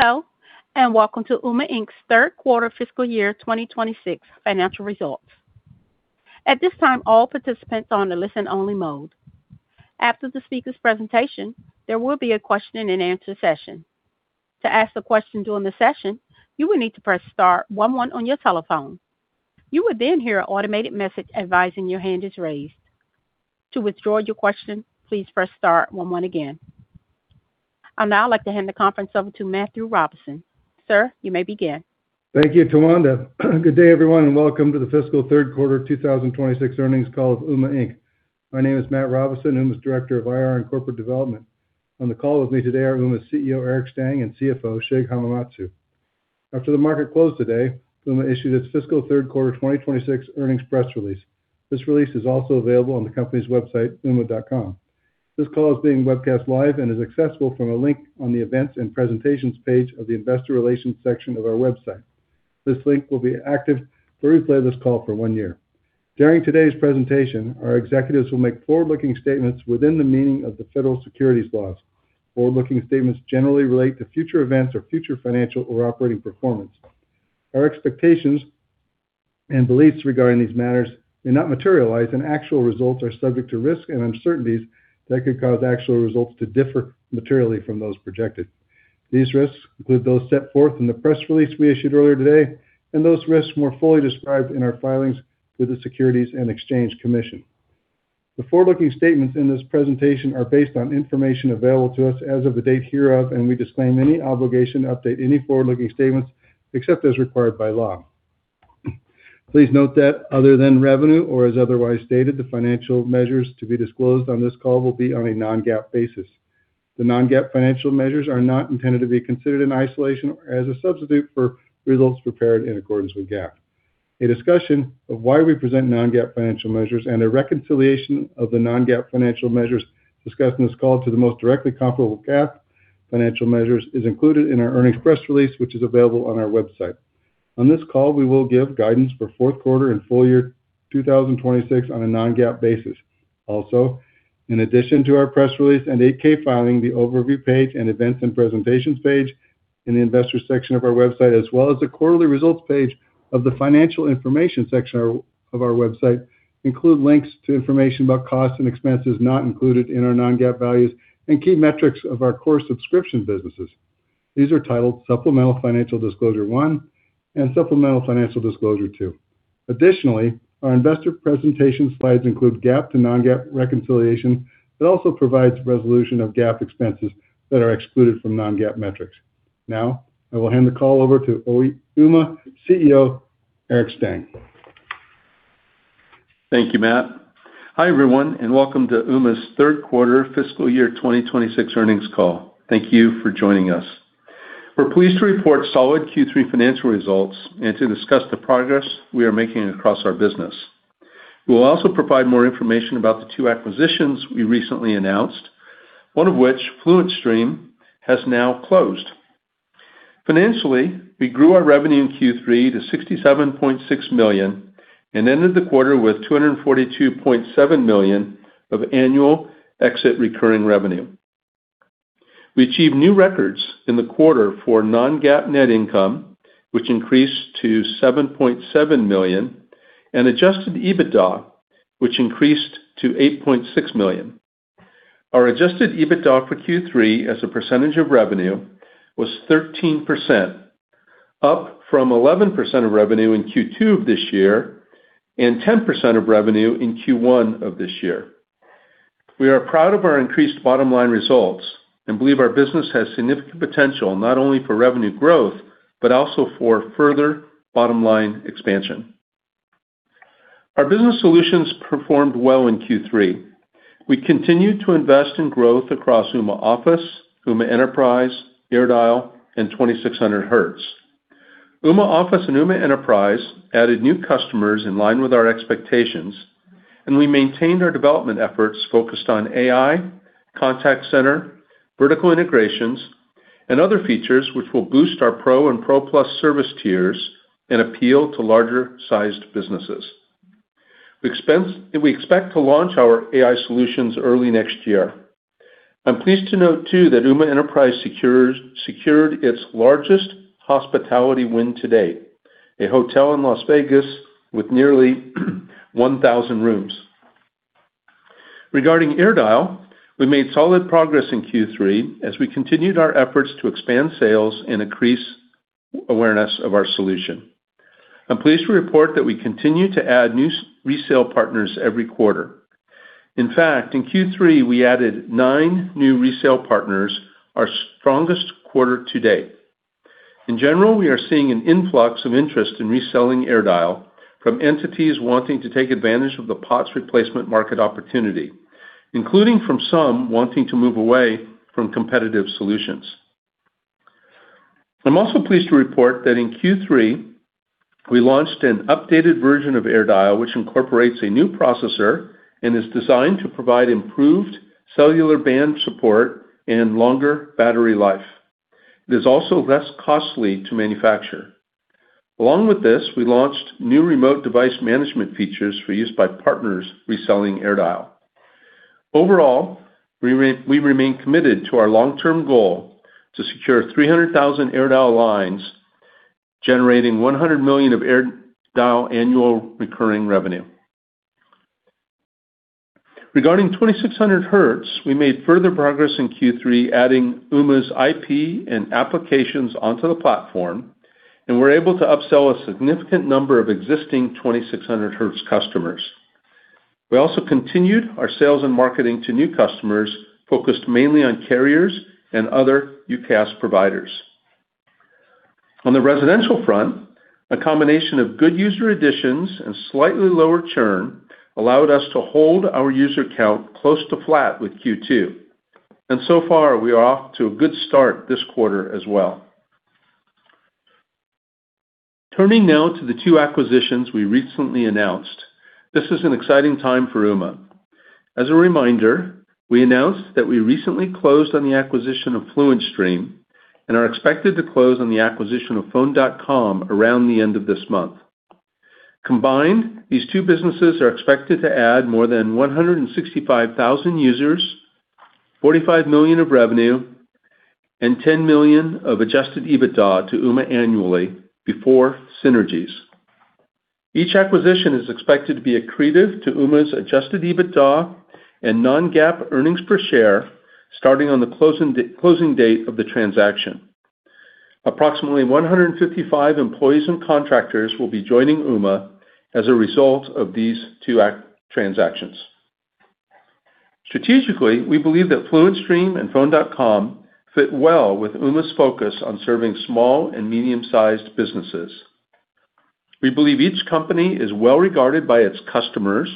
Hello, and welcome to Ooma, Inc.'s third quarter fiscal year 2026 financial results. At this time, all participants are on a listen-only mode. After the speaker's presentation, there will be a question-and-answer session. To ask a question during the session, you will need to press star one one on your telephone. You will then hear an automated message advising that your hand is raised. To withdraw your question, please press star one one again. I'd now like to hand the conference over to Matthew Robison. Sir, you may begin. Thank you, Twanda. Good day, everyone, and welcome to the Fiscal Third Quarter 2026 Earnings Call of Ooma, Inc. My name is Matt Robison, Ooma's Director of IR and Corporate Development. On the call with me today are Ooma's CEO, Eric Stang, and CFO, Shig Hamamatsu. After the market closed today, Ooma issued its Fiscal Third Quarter 2026 earnings press release. This release is also available on the company's website, ooma.com. This call is being webcast live and is accessible from a link on the Events and Presentations page of the Investor Relations section of our website. This link will be active for replay of this call for one year. During today's presentation, our executives will make forward-looking statements within the meaning of the federal securities laws. Forward-looking statements generally relate to future events or future financial or operating performance. Our expectations and beliefs regarding these matters may not materialize, and actual results are subject to risks and uncertainties that could cause actual results to differ materially from those projected. These risks include those set forth in the press release we issued earlier today, and those risks more fully described in our filings with the Securities and Exchange Commission. The forward-looking statements in this presentation are based on information available to us as of the date hereof, and we disclaim any obligation to update any forward-looking statements except as required by law. Please note that, other than revenue or as otherwise stated, the financial measures to be disclosed on this call will be on a non-GAAP basis. The non-GAAP financial measures are not intended to be considered in isolation or as a substitute for results prepared in accordance with GAAP. A discussion of why we present non-GAAP financial measures and a reconciliation of the non-GAAP financial measures discussed in this call to the most directly comparable GAAP financial measures is included in our earnings press release, which is available on our website. On this call, we will give guidance for fourth quarter and full year 2026 on a non-GAAP basis. Also, in addition to our press release and 8-K filing, the Overview page and Events and Presentations page in the Investor section of our website, as well as the Quarterly Results page of the Financial Information section of our website, include links to information about costs and expenses not included in our non-GAAP values and key metrics of our core subscription businesses. These are titled Supplemental Financial Disclosure 1 and Supplemental Financial Disclosure 2. Additionally, our Investor Presentations slides include GAAP to non-GAAP reconciliation that also provides reconciliation of GAAP expenses that are excluded from non-GAAP metrics. Now, I will hand the call over to Ooma CEO, Eric Stang. Thank you, Matt. Hi, everyone, and welcome to Ooma's Third Quarter Fiscal Year 2026 Earnings Call. Thank you for joining us. We're pleased to report solid Q3 financial results and to discuss the progress we are making across our business. We will also provide more information about the two acquisitions we recently announced, one of which, FluentStream, has now closed. Financially, we grew our revenue in Q3 to $67.6 million and ended the quarter with $242.7 million of annual exit recurring revenue. We achieved new records in the quarter for non-GAAP net income, which increased to $7.7 million, and Adjusted EBITDA, which increased to $8.6 million. Our Adjusted EBITDA for Q3, as a percentage of revenue, was 13%, up from 11% of revenue in Q2 of this year and 10% of revenue in Q1 of this year. We are proud of our increased bottom-line results and believe our business has significant potential not only for revenue growth but also for further bottom-line expansion. Our business solutions performed well in Q3. We continue to invest in growth across Ooma Office, Ooma Enterprise, Ooma AirDial, and 2600Hz. Ooma Office and Ooma Enterprise added new customers in line with our expectations, and we maintained our development efforts focused on AI, contact center, vertical integrations, and other features which will boost our Pro and Pro Plus service tiers and appeal to larger-sized businesses. We expect to launch our AI solutions early next year. I'm pleased to note, too, that Ooma Enterprise secured its largest hospitality win to date, a hotel in Las Vegas with nearly 1,000 rooms. Regarding Ooma AirDial, we made solid progress in Q3 as we continued our efforts to expand sales and increase awareness of our solution. I'm pleased to report that we continue to add new resale partners every quarter. In fact, in Q3, we added nine new resale partners, our strongest quarter to date. In general, we are seeing an influx of interest in reselling AirDial from entities wanting to take advantage of the POTS replacement market opportunity, including from some wanting to move away from competitive solutions. I'm also pleased to report that in Q3, we launched an updated version of AirDial, which incorporates a new processor and is designed to provide improved cellular band support and longer battery life. It is also less costly to manufacture. Along with this, we launched new remote device management features for use by partners reselling AirDial. Overall, we remain committed to our long-term goal to secure 300,000 AirDial lines, generating $100 million of AirDial annual recurring revenue. Regarding 2600Hz, we made further progress in Q3, adding Ooma's IP and applications onto the platform, and we're able to upsell a significant number of existing 2600Hz customers. We also continued our sales and marketing to new customers focused mainly on carriers and other UCaaS providers. On the residential front, a combination of good user additions and slightly lower churn allowed us to hold our user count close to flat with Q2, and so far, we are off to a good start this quarter as well. Turning now to the two acquisitions we recently announced, this is an exciting time for Ooma. As a reminder, we announced that we recently closed on the acquisition of FluentStream and are expected to close on the acquisition of Phone.com around the end of this month. Combined, these two businesses are expected to add more than 165,000 users, $45 million of revenue, and $10 million of Adjusted EBITDA to Ooma annually before synergies. Each acquisition is expected to be accretive to Ooma's Adjusted EBITDA and non-GAAP earnings per share starting on the closing date of the transaction. Approximately 155 employees and contractors will be joining Ooma as a result of these two transactions. Strategically, we believe that FluentStream and Phone.com fit well with Ooma's focus on serving small and medium-sized businesses. We believe each company is well regarded by its customers,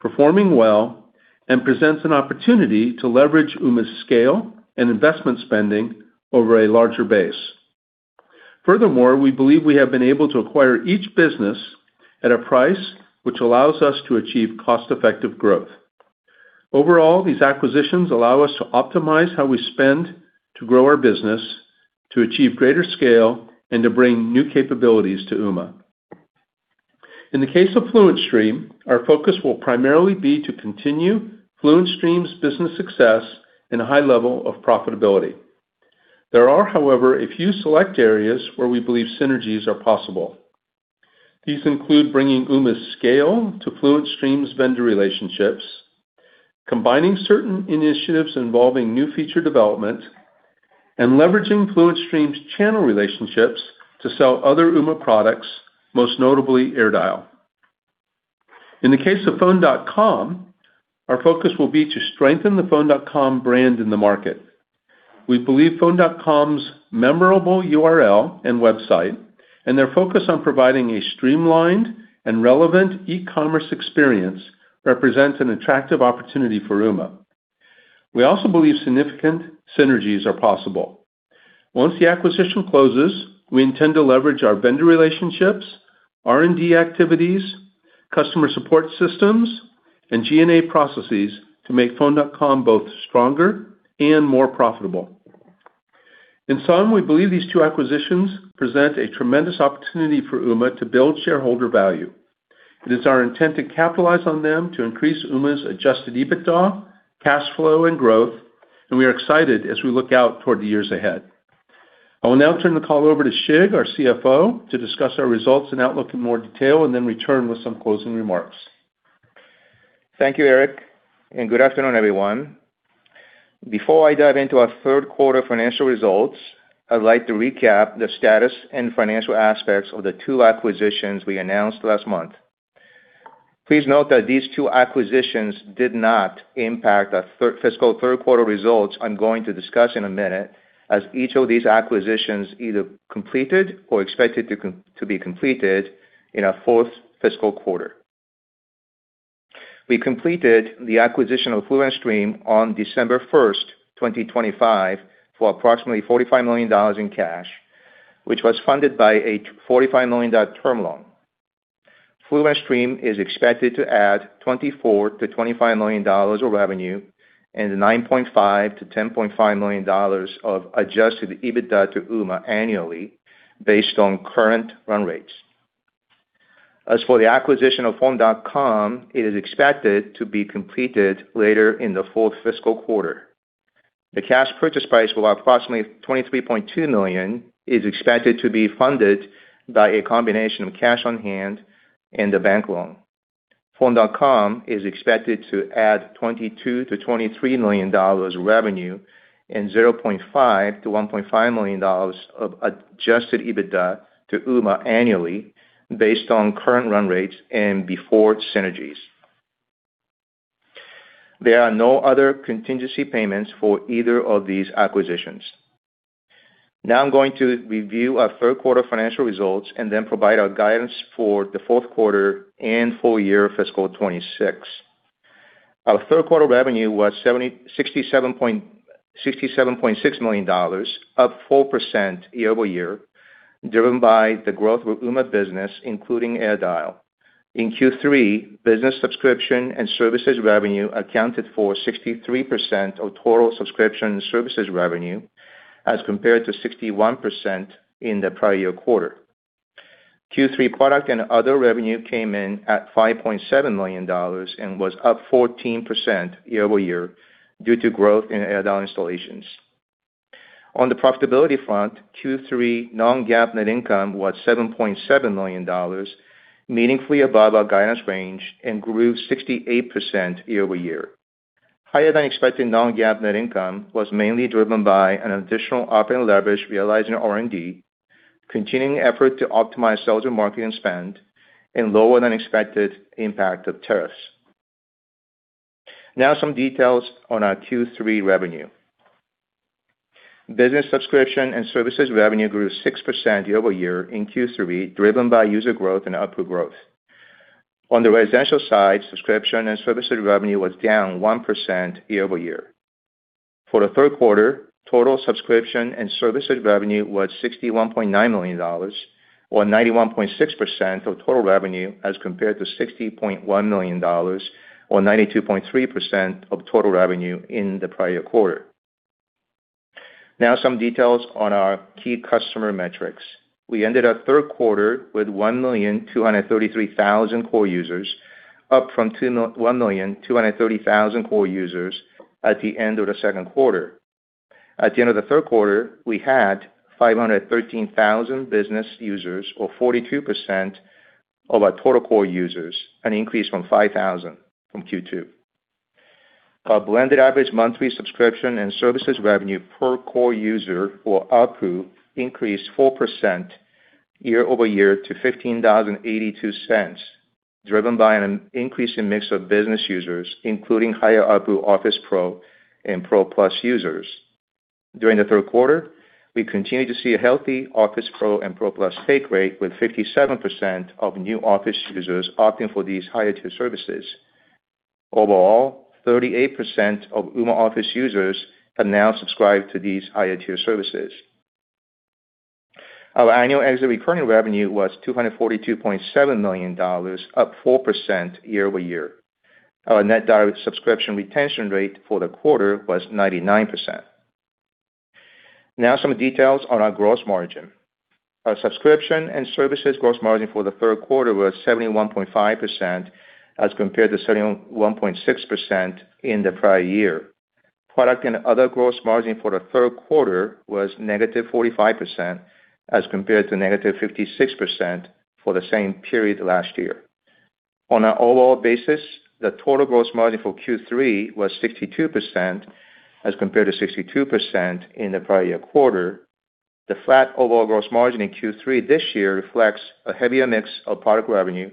performing well, and presents an opportunity to leverage Ooma's scale and investment spending over a larger base. Furthermore, we believe we have been able to acquire each business at a price which allows us to achieve cost-effective growth. Overall, these acquisitions allow us to optimize how we spend to grow our business, to achieve greater scale, and to bring new capabilities to Ooma. In the case of FluentStream, our focus will primarily be to continue FluentStream's business success and a high level of profitability. There are, however, a few select areas where we believe synergies are possible. These include bringing Ooma's scale to FluentStream's vendor relationships, combining certain initiatives involving new feature development, and leveraging FluentStream's channel relationships to sell other Ooma products, most notably AirDial. In the case of Phone.com, our focus will be to strengthen the Phone.com brand in the market. We believe Phone.com's memorable URL and website and their focus on providing a streamlined and relevant e-commerce experience represent an attractive opportunity for Ooma. We also believe significant synergies are possible. Once the acquisition closes, we intend to leverage our vendor relationships, R&D activities, customer support systems, and G&A processes to make Phone.com both stronger and more profitable. In sum, we believe these two acquisitions present a tremendous opportunity for Ooma to build shareholder value. It is our intent to capitalize on them to increase Ooma's Adjusted EBITDA, cash flow, and growth, and we are excited as we look out toward the years ahead. I will now turn the call over to Shig, our CFO, to discuss our results and outlook in more detail and then return with some closing remarks. Thank you, Eric, and good afternoon, everyone. Before I dive into our third quarter financial results, I'd like to recap the status and financial aspects of the two acquisitions we announced last month. Please note that these two acquisitions did not impact our fiscal third quarter results, I'm going to discuss in a minute, as each of these acquisitions either completed or expected to be completed in our fourth fiscal quarter. We completed the acquisition of FluentStream on December 1, 2025, for approximately $45 million in cash, which was funded by a $45 million term loan. FluentStream is expected to add $24 million-$25 million of revenue and $9.5 million-$10.5 million of Adjusted EBITDA to Ooma annually based on current run rates. As for the acquisition of Phone.com, it is expected to be completed later in the fourth fiscal quarter. The cash purchase price of approximately $23.2 million is expected to be funded by a combination of cash on hand and a bank loan. Phone.com is expected to add $22 million-$23 million of revenue and $0.5 million-$1.5 million of Adjusted EBITDA to Ooma annually based on current run rates and before synergies. There are no other contingency payments for either of these acquisitions. Now, I'm going to review our third quarter financial results and then provide our guidance for the fourth quarter and full year fiscal 2026. Our third quarter revenue was $67.6 million, up 4% year over year, driven by the growth of Ooma Business, including AirDial. In Q3, business subscription and services revenue accounted for 63% of total subscription and services revenue as compared to 61% in the prior year quarter. Q3 product and other revenue came in at $5.7 million and was up 14% year over year due to growth in AirDial installations. On the profitability front, Q3 non-GAAP net income was $7.7 million, meaningfully above our guidance range and grew 68% year over year. Higher than expected non-GAAP net income was mainly driven by an additional operating leverage realizing R&D, continuing efforts to optimize sales and marketing spend, and lower than expected impact of tariffs. Now, some details on our Q3 revenue. Business subscription and services revenue grew 6% year over year in Q3, driven by user growth and ARPU growth. On the residential side, subscription and services revenue was down 1% year over year. For the third quarter, total subscription and services revenue was $61.9 million, or 91.6% of total revenue as compared to $60.1 million, or 92.3% of total revenue in the prior quarter. Now, some details on our key customer metrics. We ended our third quarter with 1,233,000 core users, up from 1,230,000 core users at the end of the second quarter. At the end of the third quarter, we had 513,000 business users, or 42% of our total core users, an increase of 5,000 from Q2. Our blended average monthly subscription and services revenue per core user, or ARPU, increased 4% year over year to $15.82, driven by an increase in mix of business users, including higher ARPU Ooma Office Pro and Pro Plus users. During the third quarter, we continued to see a healthy Ooma Office Pro and Pro Plus take rate with 57% of new Ooma Office users opting for these higher-tier services. Overall, 38% of Ooma Office users have now subscribed to these higher-tier services. Our annual exit recurring revenue was $242.7 million, up 4% year over year. Our net direct subscription retention rate for the quarter was 99%. Now, some details on our gross margin. Our subscription and services gross margin for the third quarter was 71.5% as compared to 71.6% in the prior year. Product and other gross margin for the third quarter was negative 45% as compared to negative 56% for the same period last year. On an overall basis, the total gross margin for Q3 was 62% as compared to 62% in the prior year quarter. The flat overall gross margin in Q3 this year reflects a heavier mix of product revenue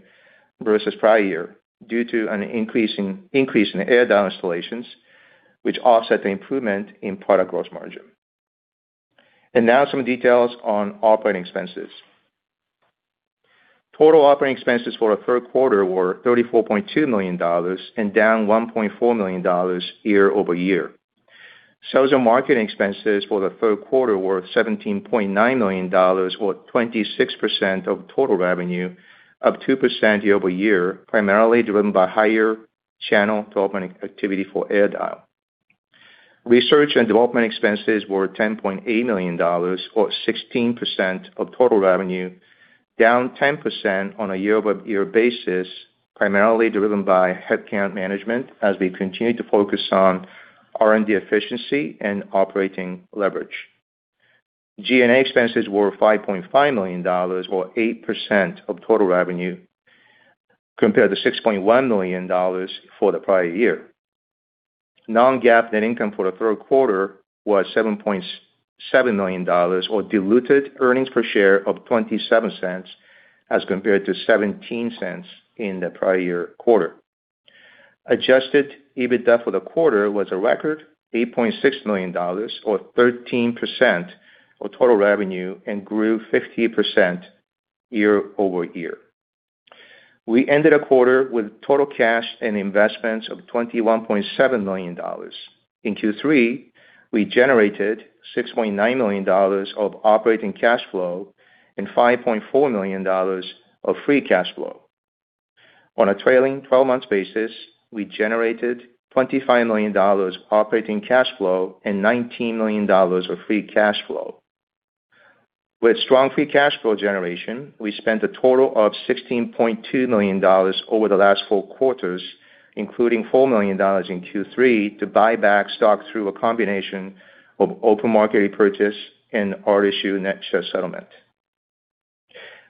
versus prior year due to an increase in AirDial installations, which offset the improvement in product gross margin. And now, some details on operating expenses. Total operating expenses for the third quarter were $34.2 million and down $1.4 million year over year. Sales and marketing expenses for the third quarter were $17.9 million, or 26% of total revenue, up 2% year over year, primarily driven by higher channel development activity for AirDial. Research and development expenses were $10.8 million, or 16% of total revenue, down 10% on a year-over-year basis, primarily driven by headcount management as we continue to focus on R&D efficiency and operating leverage. G&A expenses were $5.5 million, or 8% of total revenue, compared to $6.1 million for the prior year. Non-GAAP net income for the third quarter was $7.7 million, or diluted earnings per share of $0.27 as compared to $0.17 in the prior year quarter. Adjusted EBITDA for the quarter was a record $8.6 million, or 13% of total revenue, and grew 50% year over year. We ended the quarter with total cash and investments of $21.7 million. In Q3, we generated $6.9 million of operating cash flow and $5.4 million of free cash flow. On a trailing 12-month basis, we generated $25 million operating cash flow and $19 million of free cash flow. With strong free cash flow generation, we spent a total of $16.2 million over the last four quarters, including $4 million in Q3 to buy back stock through a combination of open market repurchase and RSU net share settlement.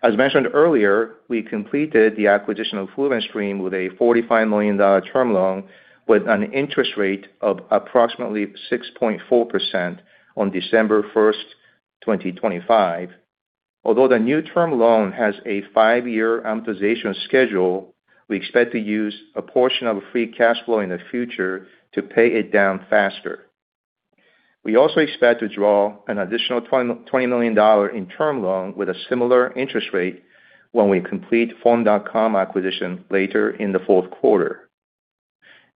As mentioned earlier, we completed the acquisition of FluentStream with a $45 million term loan with an interest rate of approximately 6.4% on December 1, 2025. Although the new term loan has a five-year amortization schedule, we expect to use a portion of free cash flow in the future to pay it down faster. We also expect to draw an additional $20 million in term loan with a similar interest rate when we complete Phone.com acquisition later in the fourth quarter.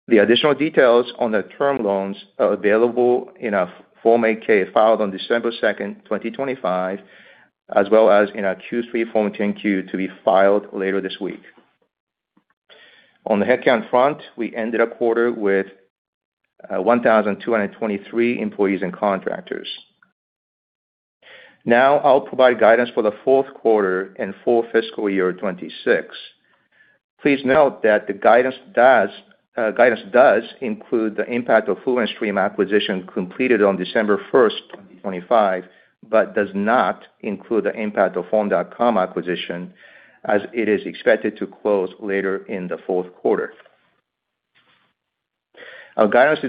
The additional details on the term loans are available in our Form 8-K filed on December 2, 2025, as well as in our Q3 Form 10-Q to be filed later this week. On the headcount front, we ended the quarter with 1,223 employees and contractors. Now, I'll provide guidance for the fourth quarter and full fiscal year 26. Please note that the guidance does include the impact of FluentStream acquisition completed on December 1, 2025, but does not include the impact of Phone.com acquisition as it is expected to close later in the fourth quarter. Our guidance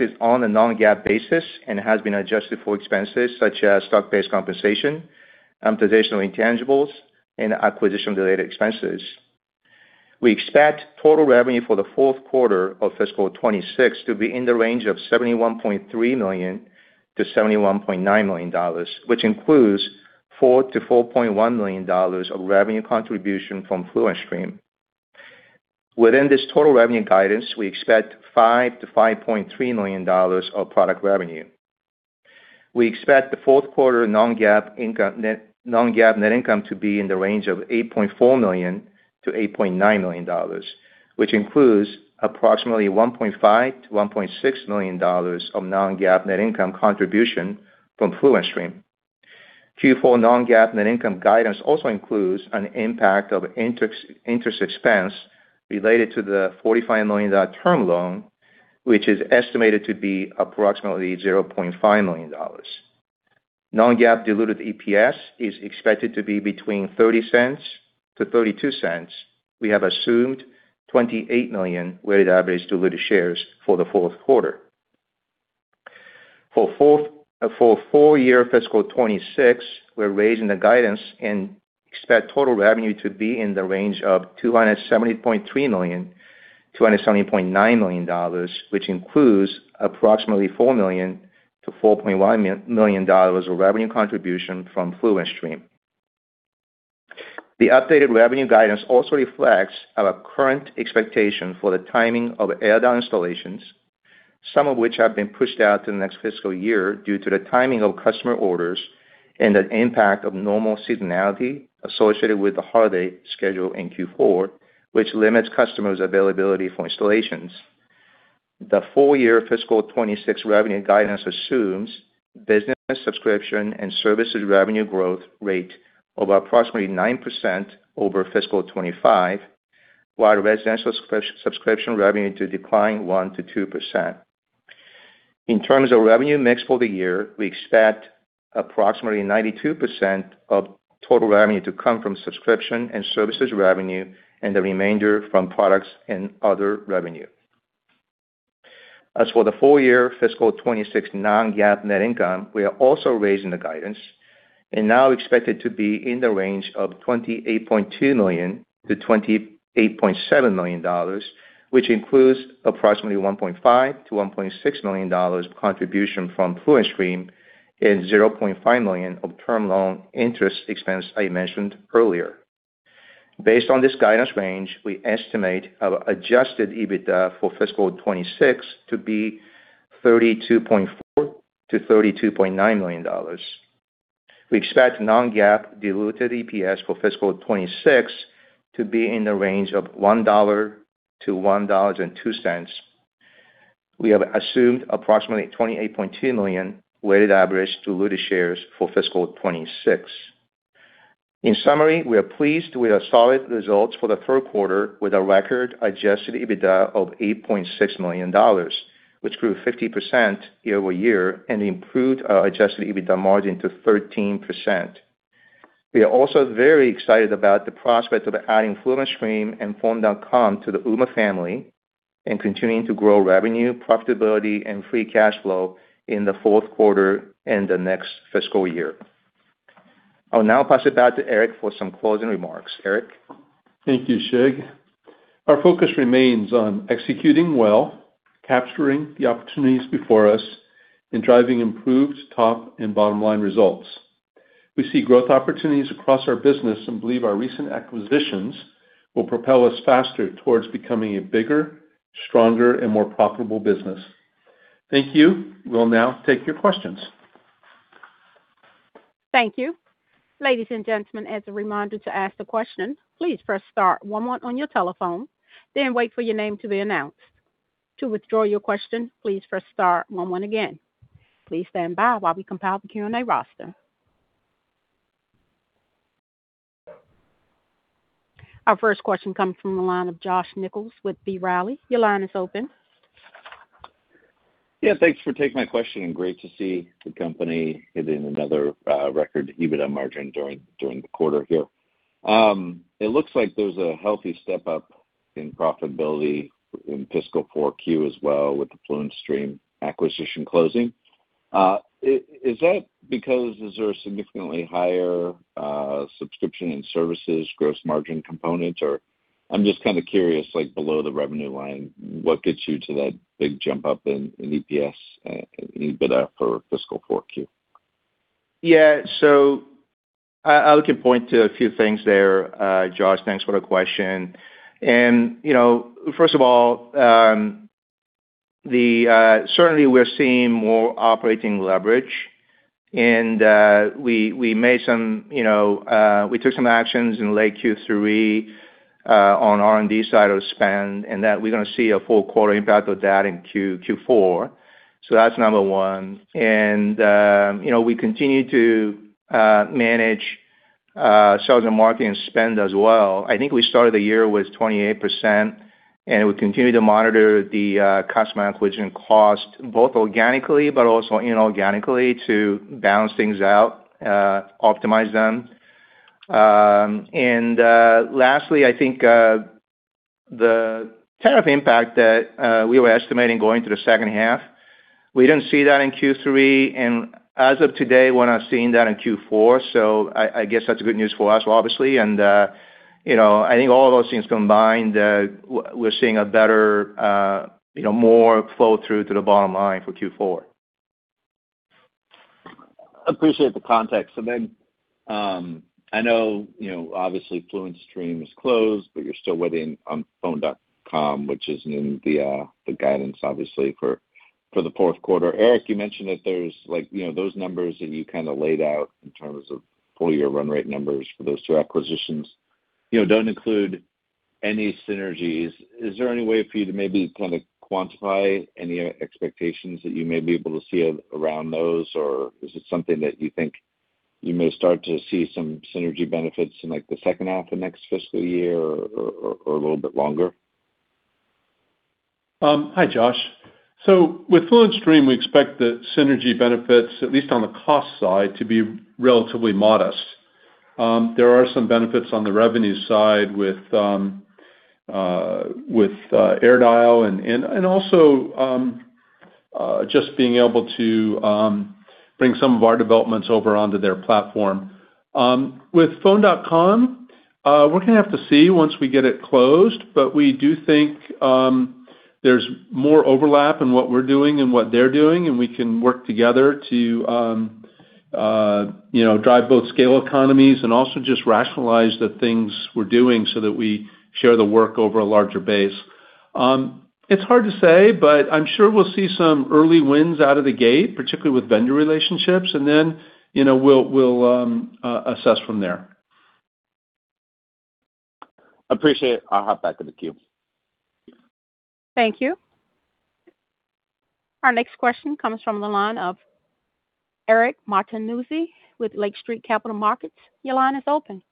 is on a non-GAAP basis and has been adjusted for expenses such as stock-based compensation, amortization of intangibles, and acquisition-related expenses. We expect total revenue for the fourth quarter of fiscal 2026 to be in the range of $71.3 million-$71.9 million, which includes $4 million-$4.1 million of revenue contribution from FluentStream. Within this total revenue guidance, we expect $5 million-$5.3 million of product revenue. We expect the fourth quarter non-GAAP net income to be in the range of $8.4 million-$8.9 million, which includes approximately $1.5 million-$1.6 million of non-GAAP net income contribution from FluentStream. Q4 non-GAAP net income guidance also includes an impact of interest expense related to the $45 million term loan, which is estimated to be approximately $0.5 million. Non-GAAP diluted EPS is expected to be between $0.30-$0.32. We have assumed $28 million weighted average diluted shares for the fourth quarter. For fiscal year 26, we're raising the guidance and expect total revenue to be in the range of $270.3 million-$270.9 million, which includes approximately $4 million-$4.1 million of revenue contribution from FluentStream. The updated revenue guidance also reflects our current expectation for the timing of AirDial installations, some of which have been pushed out to the next fiscal year due to the timing of customer orders and the impact of normal seasonality associated with the holiday schedule in Q4, which limits customers' availability for installations. The full year fiscal 26 revenue guidance assumes business subscription and services revenue growth rate of approximately 9% over fiscal 25, while residential subscription revenue to decline 1% to 2%. In terms of revenue mix for the year, we expect approximately 92% of total revenue to come from subscription and services revenue and the remainder from products and other revenue. As for the full year fiscal 2026 non-GAAP net income, we are also raising the guidance and now expect it to be in the range of $28.2 million-$28.7 million, which includes approximately $1.5 million-$1.6 million contribution from FluentStream and $0.5 million of term loan interest expense I mentioned earlier. Based on this guidance range, we estimate our Adjusted EBITDA for fiscal 2026 to be $32.4 million-$32.9 million. We expect non-GAAP diluted EPS for fiscal 2026 to be in the range of $1-$1.02. We have assumed approximately 28.2 million weighted average diluted shares for fiscal 2026. In summary, we are pleased with our solid results for the third quarter with a record Adjusted EBITDA of $8.6 million, which grew 50% year over year and improved our Adjusted EBITDA margin to 13%. We are also very excited about the prospect of adding FluentStream and Phone.com to the Ooma family and continuing to grow revenue, profitability, and free cash flow in the fourth quarter and the next fiscal year. I'll now pass it back to Eric for some closing remarks. Eric? Thank you, Shig. Our focus remains on executing well, capturing the opportunities before us, and driving improved top and bottom line results. We see growth opportunities across our business and believe our recent acquisitions will propel us faster towards becoming a bigger, stronger, and more profitable business. Thank you. We'll now take your questions. Thank you. Ladies and gentlemen, as a reminder to ask the question, please press star one one on your telephone, then wait for your name to be announced. To withdraw your question, please press star one one again. Please stand by while we compile the Q&A roster. Our first question comes from the line of Josh Nichols with B. Riley. Your line is open. Yeah, thanks for taking my question. Great to see the company hitting another record EBITDA margin during the quarter here. It looks like there's a healthy step up in profitability in fiscal 4Q as well with the FluentStream acquisition closing. Is that because there's a significantly higher subscription and services gross margin component, or I'm just kind of curious, below the revenue line, what gets you to that big jump up in EPS and EBITDA for fiscal 4Q? Yeah, so I can point to a few things there, Josh. Thanks for the question. And first of all, certainly we're seeing more operating leverage, and we took some actions in late Q3 on R&D side of spend, and that we're going to see a full quarter impact of that in Q4. So that's number one. And we continue to manage sales and marketing spend as well. I think we started the year with 28%, and we continue to monitor the customer acquisition cost both organically but also inorganically to balance things out, optimize them. And lastly, I think the tariff impact that we were estimating going to the second half, we didn't see that in Q3. And as of today, we're not seeing that in Q4. So I guess that's good news for us, obviously. And I think all those things combined, we're seeing a better, more flow through to the bottom line for Q4. I appreciate the context. So then I know, obviously, FluentStream is closed, but you're still waiting on Phone.com, which is in the guidance, obviously, for the fourth quarter. Eric, you mentioned that there's those numbers that you kind of laid out in terms of full year run rate numbers for those two acquisitions don't include any synergies. Is there any way for you to maybe kind of quantify any expectations that you may be able to see around those, or is it something that you think you may start to see some synergy benefits in the second half of next fiscal year or a little bit longer? Hi, Josh. So with FluentStream, we expect the synergy benefits, at least on the cost side, to be relatively modest. There are some benefits on the revenue side with AirDial and also just being able to bring some of our developments over onto their platform. With Phone.com, we're going to have to see once we get it closed, but we do think there's more overlap in what we're doing and what they're doing, and we can work together to drive both scale economies and also just rationalize the things we're doing so that we share the work over a larger base. It's hard to say, but I'm sure we'll see some early wins out of the gate, particularly with vendor relationships, and then we'll assess from there. Appreciate it. I'll hop back to the queue. Thank you. Our next question comes from the line of Eric Martinuzzi with Lake Street Capital Markets. Your line is open.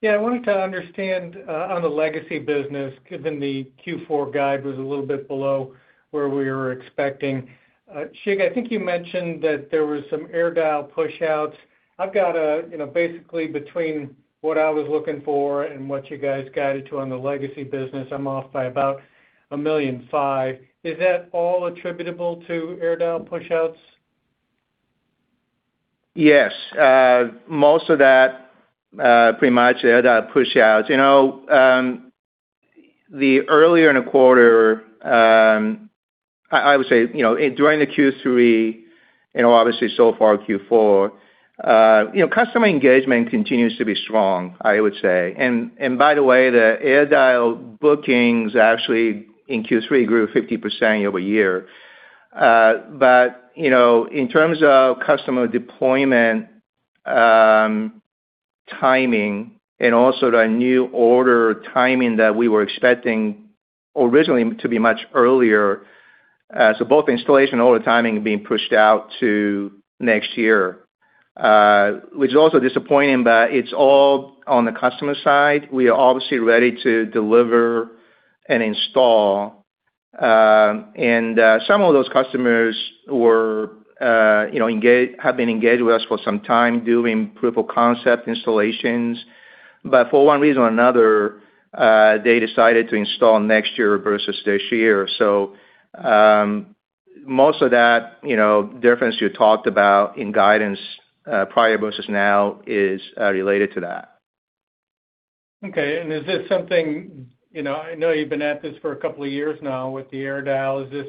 Yeah, I wanted to understand on the legacy business, given the Q4 guide was a little bit below where we were expecting. Shig, I think you mentioned that there were some AirDial pushouts. I've got basically between what I was looking for and what you guys guided to on the legacy business, I'm off by about $1.05 million. Is that all attributable to AirDial pushouts? Yes. Most of that, pretty much AirDial pushouts. Earlier in the quarter, I would say during the Q3 and obviously so far Q4, customer engagement continues to be strong, I would say. And by the way, the AirDial bookings actually in Q3 grew 50% year over year. But in terms of customer deployment timing and also the new order timing that we were expecting originally to be much earlier, so both installation and order timing being pushed out to next year, which is also disappointing, but it's all on the customer side. We are obviously ready to deliver and install. And some of those customers have been engaged with us for some time doing proof of concept installations, but for one reason or another, they decided to install next year versus this year. So most of that difference you talked about in guidance prior versus now is related to that. Okay. And is this something? I know you've been at this for a couple of years now with the AirDial. Is this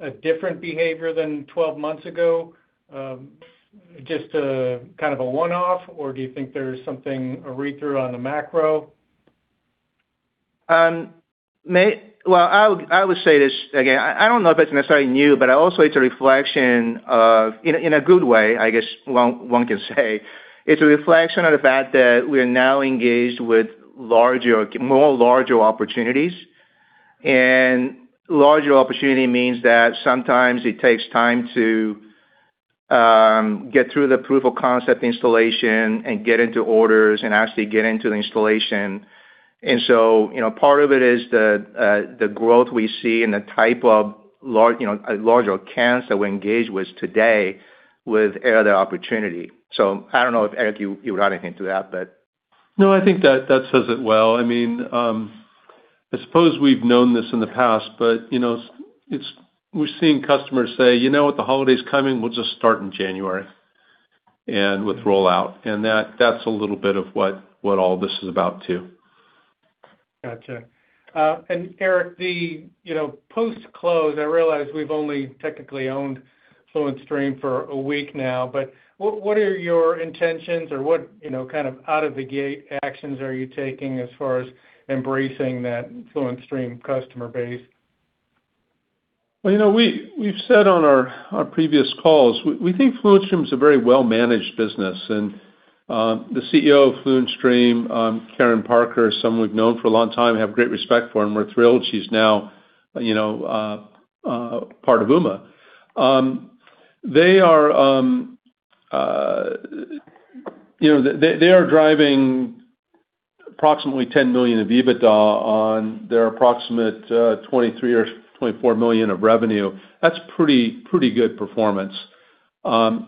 a different behavior than 12 months ago, just kind of a one-off, or do you think there's something, a read-through on the macro? Well, I would say this again. I don't know if it's necessarily new, but I also it's a reflection of, in a good way, I guess one can say. It's a reflection of the fact that we're now engaged with more larger opportunities. Larger opportunity means that sometimes it takes time to get through the proof of concept installation and get into orders and actually get into the installation. So part of it is the growth we see and the type of larger accounts that we're engaged with today with AirDial opportunity. So I don't know if Eric, you would add anything to that, but. No, I think that says it well. I mean, I suppose we've known this in the past, but we're seeing customers say, "You know what? The holiday's coming. We'll just start in January and with rollout." And that's a little bit of what all this is about too. Gotcha. And Eric, the post-close, I realize we've only technically owned FluentStream for a week now, but what are your intentions or what kind of out-of-the-gate actions are you taking as far as embracing that FluentStream customer base? We've said on our previous calls, we think FluentStream is a very well-managed business. The CEO of FluentStream, Kerrin Parker, someone we've known for a long time, have great respect for, and we're thrilled she's now part of Ooma. They are driving approximately $10 million of EBITDA on their approximate $23 or $24 million of revenue. That's pretty good performance.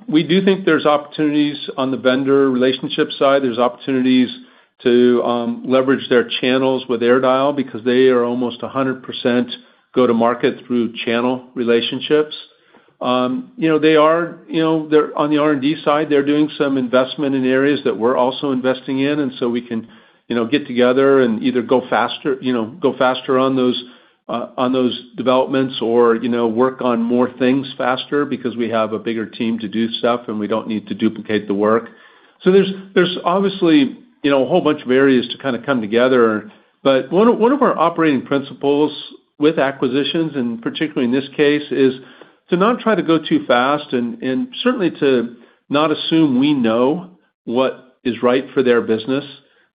We do think there's opportunities on the vendor relationship side. There's opportunities to leverage their channels with AirDial because they are almost 100% go-to-market through channel relationships. They are on the R&D side. They're doing some investment in areas that we're also investing in. We can get together and either go faster on those developments or work on more things faster because we have a bigger team to do stuff, and we don't need to duplicate the work. So there's obviously a whole bunch of areas to kind of come together. But one of our operating principles with acquisitions, and particularly in this case, is to not try to go too fast and certainly to not assume we know what is right for their business.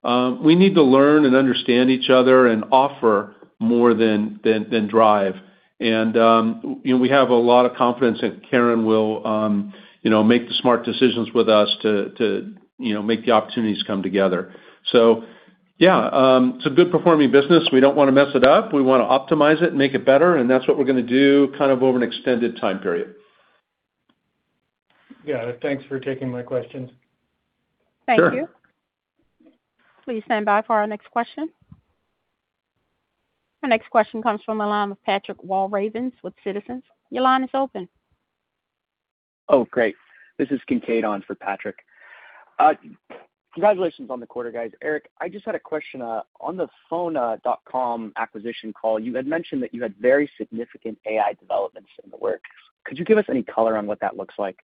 We need to learn and understand each other and offer more than drive. And we have a lot of confidence that Kerrin will make the smart decisions with us to make the opportunities come together. So yeah, it's a good-performing business. We don't want to mess it up. We want to optimize it and make it better. And that's what we're going to do kind of over an extended time period. Got it. Thanks for taking my questions. Thank you. Sure. Please stand by for our next question. Our next question comes from the line of Patrick Walravens with Citizens. Your line is open. Oh, great. This is Kincaid on for Patrick. Congratulations on the quarter, guys. Eric, I just had a question on the Phone.com acquisition call. You had mentioned that you had very significant AI developments in the works. Could you give us any color on what that looks like?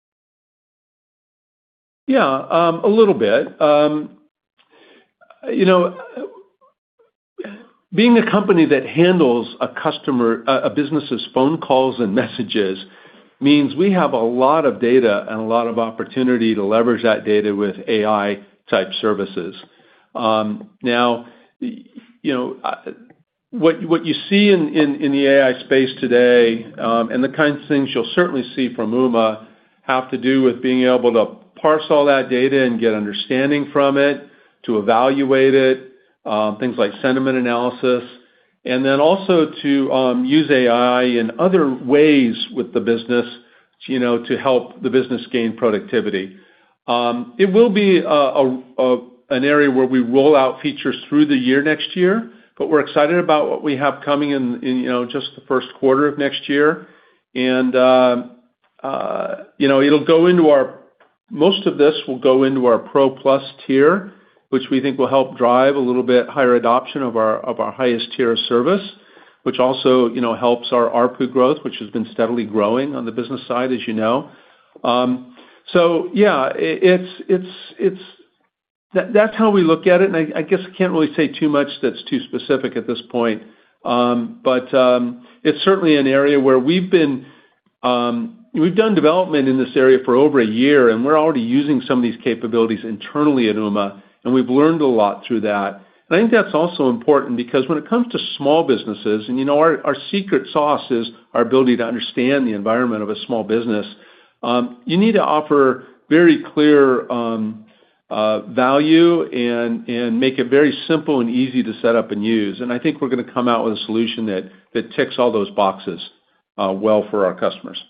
Yeah, a little bit. Being a company that handles a business's phone calls and messages means we have a lot of data and a lot of opportunity to leverage that data with AI-type services. Now, what you see in the AI space today and the kinds of things you'll certainly see from Ooma have to do with being able to parse all that data and get understanding from it, to evaluate it, things like sentiment analysis, and then also to use AI in other ways with the business to help the business gain productivity. It will be an area where we roll out features through the year next year, but we're excited about what we have coming in just the first quarter of next year. Most of this will go into our Pro Plus tier, which we think will help drive a little bit higher adoption of our highest-tier service, which also helps our ARPU growth, which has been steadily growing on the business side, as you know. Yeah, that's how we look at it. I guess I can't really say too much that's too specific at this point. It's certainly an area where we've done development in this area for over a year, and we're already using some of these capabilities internally at Ooma, and we've learned a lot through that. I think that's also important because when it comes to small businesses, and our secret sauce is our ability to understand the environment of a small business, you need to offer very clear value and make it very simple and easy to set up and use. I think we're going to come out with a solution that ticks all those boxes well for our customers.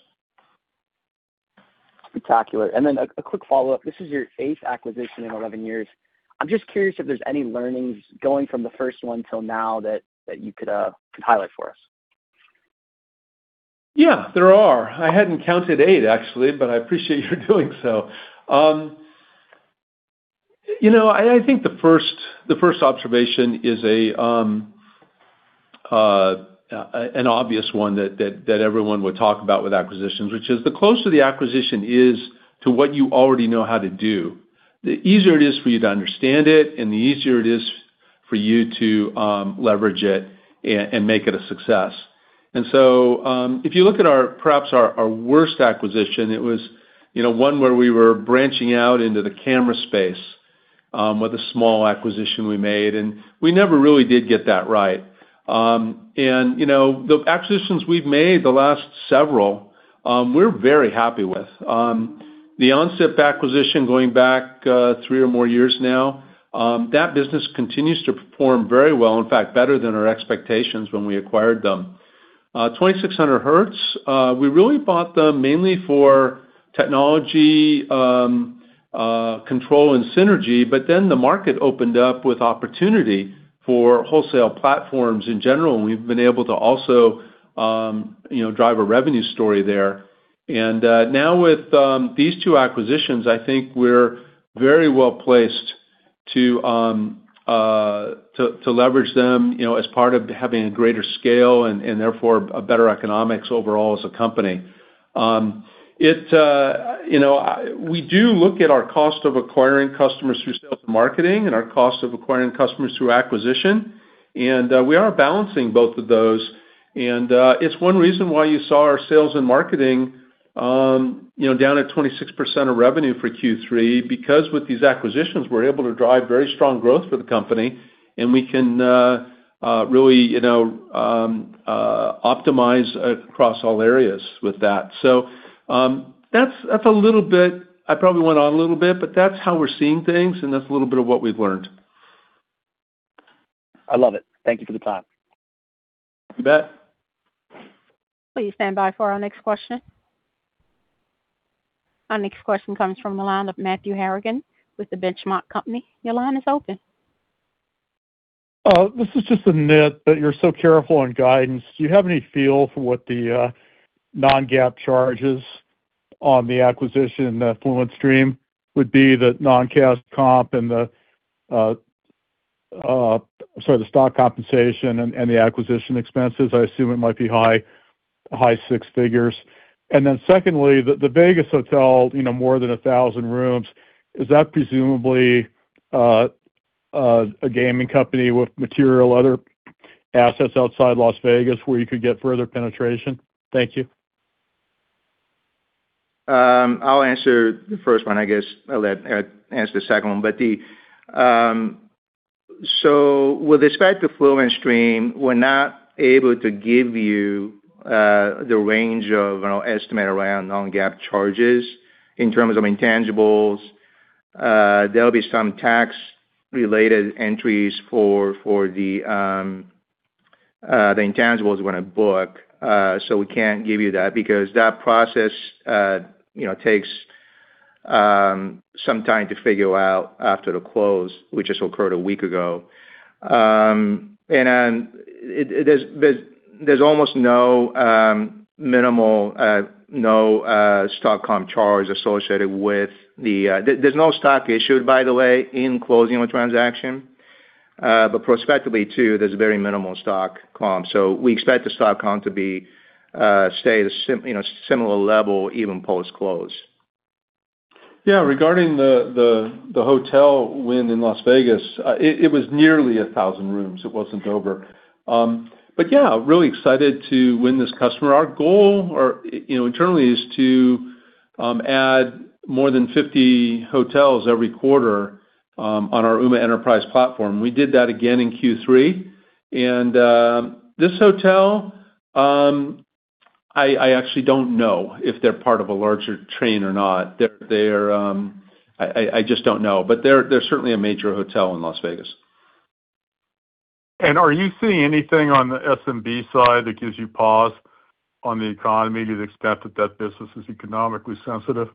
Spectacular. Then a quick follow-up. This is your eighth acquisition in 11 years. I'm just curious if there's any learnings going from the first one till now that you could highlight for us. Yeah, there are. I hadn't counted eight, actually, but I appreciate your doing so. I think the first observation is an obvious one that everyone would talk about with acquisitions, which is the closer the acquisition is to what you already know how to do, the easier it is for you to understand it, and the easier it is for you to leverage it and make it a success. And so if you look at perhaps our worst acquisition, it was one where we were branching out into the camera space with a small acquisition we made, and we never really did get that right. And the acquisitions we've made the last several, we're very happy with. The OnSIP acquisition going back three or more years now, that business continues to perform very well, in fact, better than our expectations when we acquired them. 2600Hz, we really bought them mainly for technology control and synergy, but then the market opened up with opportunity for wholesale platforms in general, and we've been able to also drive a revenue story there. And now with these two acquisitions, I think we're very well placed to leverage them as part of having a greater scale and therefore a better economics overall as a company. We do look at our cost of acquiring customers through sales and marketing and our cost of acquiring customers through acquisition, and we are balancing both of those. And it's one reason why you saw our sales and marketing down at 26% of revenue for Q3 because with these acquisitions, we're able to drive very strong growth for the company, and we can really optimize across all areas with that. So that's a little bit. I probably went on a little bit, but that's how we're seeing things, and that's a little bit of what we've learned. I love it. Thank you for the time. You bet. Please stand by for our next question. Our next question comes from the line of Matthew Harrigan with The Benchmark Company. Your line is open. This is just a note that you're so careful on guidance. Do you have any feel for what the non-GAAP charges on the acquisition of FluentStream would be, the non-cash comp and the, I'm sorry, the stock compensation and the acquisition expenses? I assume it might be high, high six figures. And then secondly, the Las Vegas hotel, more than 1,000 rooms, is that presumably a gaming company with material, other assets outside Las Vegas where you could get further penetration? Thank you. I'll answer the first one. I guess I'll let Eric answer the second one, but so with respect to FluentStream, we're not able to give you the range of estimate around non-GAAP charges in terms of intangibles. There'll be some tax-related entries for the intangibles we're going to book. So we can't give you that because that process takes some time to figure out after the close, which just occurred a week ago. And there's almost no minimal stock comp charge associated with the. No stock issued, by the way, in closing a transaction, but prospectively, too, there's very minimal stock comp. So we expect the stock comp to stay at a similar level even post-close. Yeah. Regarding the hotel win in Las Vegas, it was nearly 1,000 rooms. It wasn't over, but yeah, really excited to win this customer. Our goal internally is to add more than 50 hotels every quarter on our Ooma Enterprise platform. We did that again in Q3. And this hotel, I actually don't know if they're part of a larger chain or not. I just don't know. But they're certainly a major hotel in Las Vegas. And are you seeing anything on the SMB side that gives you pause on the economy to the extent that that business is economically sensitive?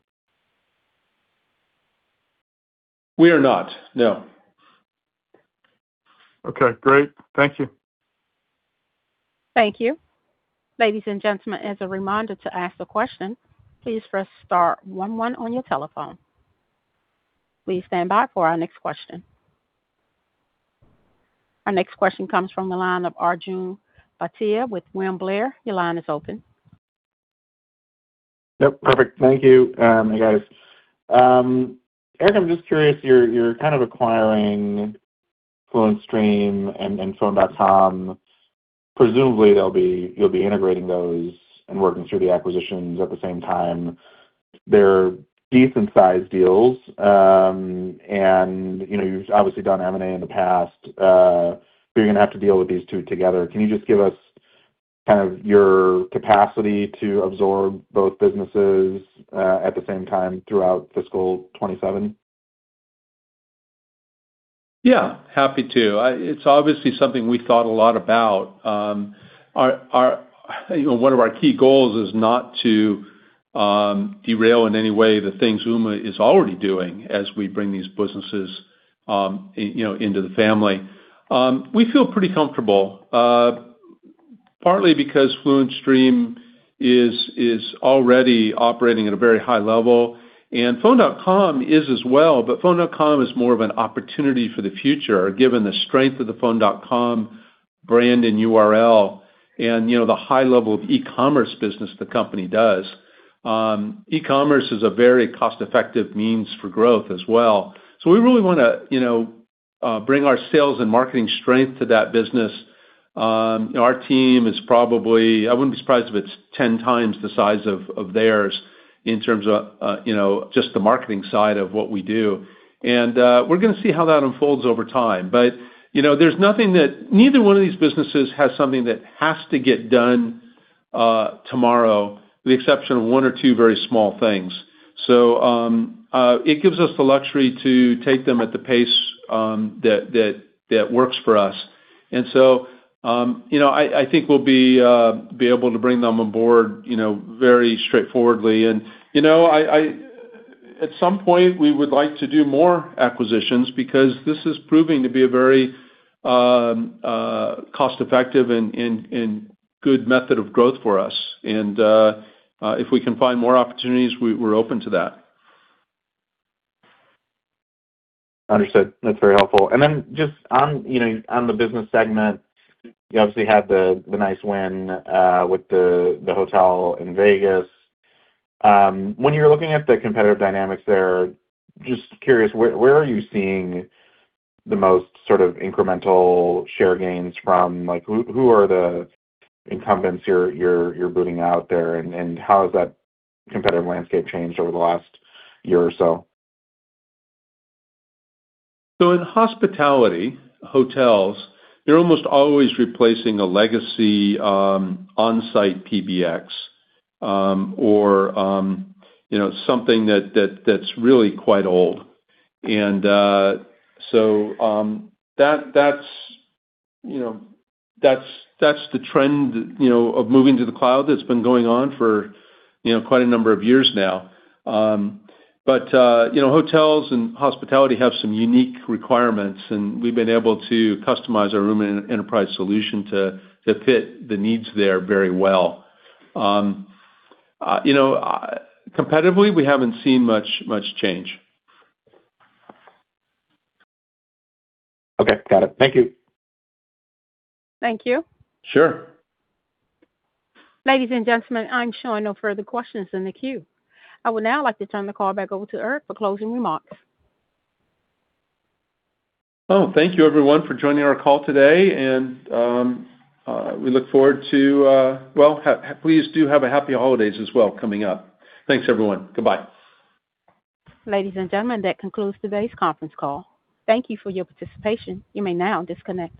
We are not. No. Okay. Great. Thank you. Thank you. Ladies and gentlemen, as a reminder to ask the question, please press star one one on your telephone. Please stand by for our next question. Our next question comes from the line of Arjun Bhatia with William Blair. Your line is open. Yep. Perfect. Thank you, guys. Eric, I'm just curious. You're kind of acquiring FluentStream and Phone.com. Presumably, you'll be integrating those and working through the acquisitions at the same time. They're decent-sized deals, and you've obviously done M&A in the past. You're going to have to deal with these two together. Can you just give us kind of your capacity to absorb both businesses at the same time throughout fiscal 2027? Yeah. Happy to. It's obviously something we thought a lot about. One of our key goals is not to derail in any way the things Ooma is already doing as we bring these businesses into the family. We feel pretty comfortable, partly because FluentStream is already operating at a very high level, and Phone.com is as well, but Phone.com is more of an opportunity for the future given the strength of the Phone.com brand and URL and the high level of e-commerce business the company does. E-commerce is a very cost-effective means for growth as well. So we really want to bring our sales and marketing strength to that business. Our team is probably. I wouldn't be surprised if it's 10 times the size of theirs in terms of just the marketing side of what we do. And we're going to see how that unfolds over time. But there's nothing that neither one of these businesses has something that has to get done tomorrow with the exception of one or two very small things. So it gives us the luxury to take them at the pace that works for us. And so I think we'll be able to bring them on board very straightforwardly. And at some point, we would like to do more acquisitions because this is proving to be a very cost-effective and good method of growth for us. If we can find more opportunities, we're open to that. Understood. That's very helpful. Then just on the business segment, you obviously had the nice win with the hotel in Vegas. When you're looking at the competitive dynamics there, just curious, where are you seeing the most sort of incremental share gains from? Who are the incumbents you're booting out there, and how has that competitive landscape changed over the last year or so? In hospitality hotels, you're almost always replacing a legacy on-site PBX or something that's really quite old. That's the trend of moving to the cloud that's been going on for quite a number of years now. Hotels and hospitality have some unique requirements, and we've been able to customize our Ooma Enterprise solution to fit the needs there very well. Competitively, we haven't seen much change. Okay. Got it. Thank you. Thank you. Sure. Ladies and gentlemen, I'm showing no further questions in the queue. I would now like to turn the call back over to Eric for closing remarks. Oh, thank you, everyone, for joining our call today. And we look forward to, well, please do have a happy holidays as well coming up. Thanks, everyone. Goodbye. Ladies and gentlemen, that concludes today's conference call. Thank you for your participation. You may now disconnect.